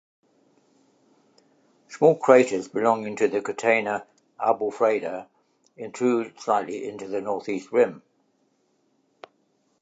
Small craters belonging to the Catena Abulfeda intrude slightly into the northeast rim.